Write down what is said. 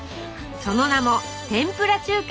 その名も「天ぷら中華」！